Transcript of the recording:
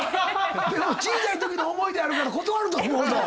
小さいときの思い出あるから断ると思うぞ。